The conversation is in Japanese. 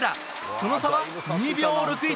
その差は２秒６１。